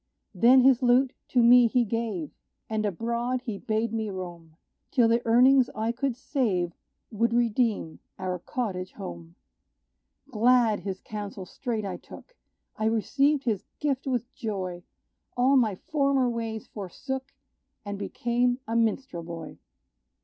Then his lute to me he gave; And abroad he bade me roam, Till the earnings I could save Would redeem our cottage home. Glad, his counsel straight I took I received his gift with joy; All my former ways forsook, And became a minstrel boy.